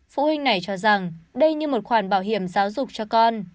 phụ huynh này cho rằng đây như một khoản bảo hiểm giáo dục cho con